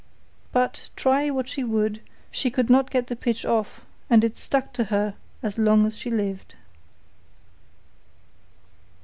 But, try what she would, she could not get the pitch off and it stuck to her as long as she lived.